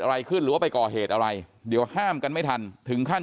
อะไรขึ้นหรือว่าไปก่อเหตุอะไรเดี๋ยวห้ามกันไม่ทันถึงขั้น